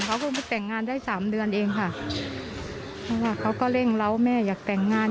เขาก็มาแต่งงานได้สามเดือนเองค่ะเพราะว่าเขาก็เร่งเราแม่อยากแต่งงาน